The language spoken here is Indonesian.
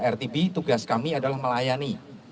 rtb tugas kami adalah melayani